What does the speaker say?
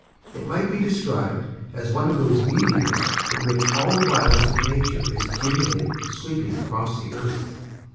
It might be described as one of those meteors in which all the violence of nature is accumulated sweeping across the earth.